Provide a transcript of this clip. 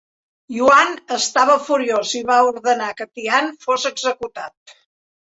Yuan estava furiós i va ordenar que Tian fos executat.